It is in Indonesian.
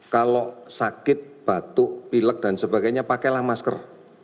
kalau sakit batuk pilek dan sebagainya pakailah masker